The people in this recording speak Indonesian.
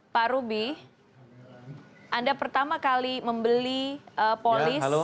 pak ruby anda pertama kali membeli polis